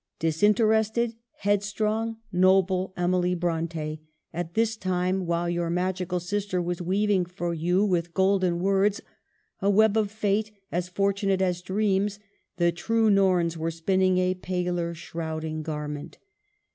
Disinterested, headstrong, noble Emily Bronte, at this time, while your magical sister was weav ing for you, with golden words, a web of fate as fortunate as dreams, the true Norns were spin ning a paler shrouding garment.